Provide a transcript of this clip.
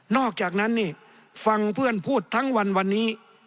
อกจากนั้นนี่ฟังเพื่อนพูดทั้งวันวันนี้